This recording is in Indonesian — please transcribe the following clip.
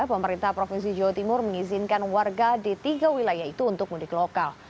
pemerintah provinsi jawa timur mengizinkan warga di tiga wilayah itu untuk mudik lokal